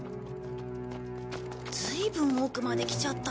ずいぶん奥まで来ちゃったな。